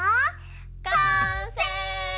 完成！